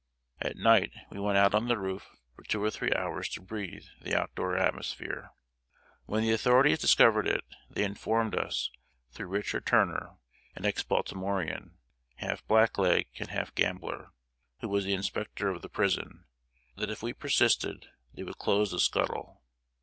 At night we went out on the roof for two or three hours to breathe the out door atmosphere. When the authorities discovered it, they informed us, through Richard Turner an ex Baltimorean, half black leg and half gambler, who was inspector of the prison that if we persisted, they would close the scuttle.